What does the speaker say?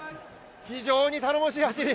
非常に頼もしい走り。